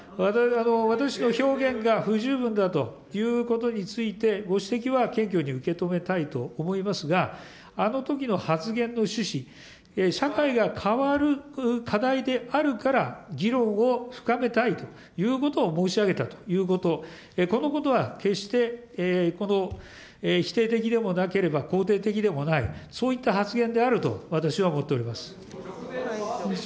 私の表現が不十分だということについて、ご指摘は謙虚に受け止めたいと思いますが、あのときの発言の趣旨、社会が変わる課題であるから、議論を深めたいということを申し上げたということ、このことは決して否定的でもなければ、肯定的でもない、そういった発言であると、私は思っております。